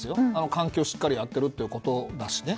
換気をしっかりやっているということだしね。